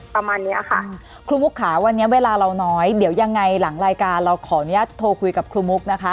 ประมาณเนี้ยค่ะครูมุกค่ะวันนี้เวลาเราน้อยเดี๋ยวยังไงหลังรายการเราขออนุญาตโทรคุยกับครูมุกนะคะ